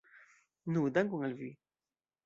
Nu, dankon al vi!